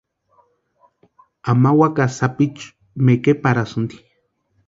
Ama wakasï sapichu mekeparhasti.